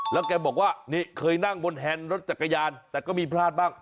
แล้วแกบอกว่านี่เคยนั่งบนแฮนด์รถจักรยานแต่ก็มีพลาดบ้าง